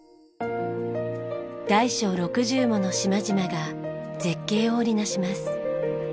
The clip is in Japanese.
大小６０もの島々が絶景を織りなします。